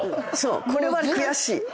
これは悔しい。